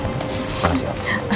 terima kasih pak